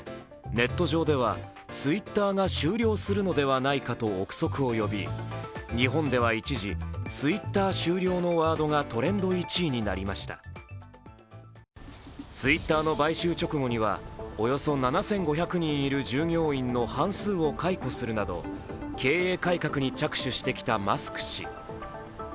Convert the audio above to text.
ネット上ではＴｗｉｔｔｅｒが終了するのではないかと憶測を呼び日本では一時、「Ｔｗｉｔｔｅｒ終了」のワードがトレンド１位になりましたＴｗｉｔｔｅｒの買収直後にはおよそ７５００人いる従業員の半数を解雇するなど経営改革に着手してきたマスク氏。